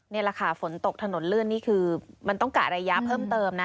นี่แหละค่ะฝนตกถนนลื่นนี่คือมันต้องกะระยะเพิ่มเติมนะ